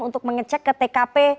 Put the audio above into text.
untuk mengecek ke tkp